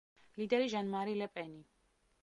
ლიდერი ჟან-მარი ლე პენი.